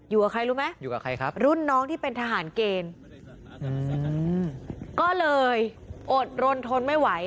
อยู่กับใครรู้ไหมรุ่นน้องที่เป็นทหารเกณฑ์ก็เลยอดรนทนไม่ไหว